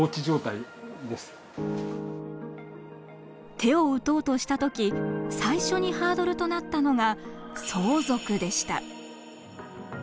手を打とうとした時最初にハードルとなったのが相続でした。